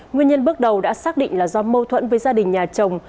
nguyên nhân bước đầu đã xác định là do mâu thuẫn với gia đình nhà chồng